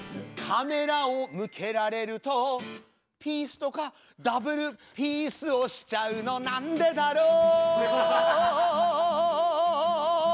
カメラを向けられるとピースとかダブルピースをしちゃうのなんでだろう。